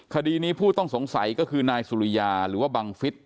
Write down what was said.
คดีนี้ผู้ต้องสงสัยก็คือนายสุริยาหรือว่าบังฟิศ